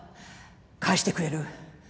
返してくれる？